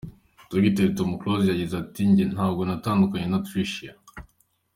Dogiteri Tom Close yagize ati: “Njye ntabwo natandukanye na Tricia.